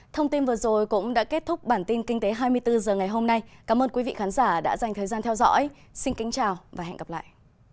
thông tin vừa rồi cũng đã kết thúc bản tin kinh tế hai mươi bốn h ngày hôm nay cảm ơn quý vị khán giả đã dành thời gian theo dõi xin kính chào và hẹn gặp lại